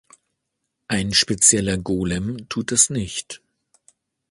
Ein spezieller Golem tut das nicht.